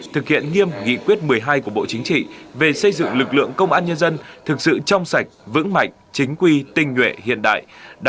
thực hiện nghiêm nghị quyết một mươi hai của bộ chính trị về xây dựng lực lượng công an nhân dân thực sự trong sạch vững mạnh chính quy tinh nguyện hiện đại